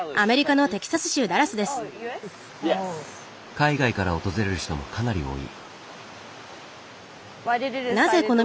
海外から訪れる人もかなり多い。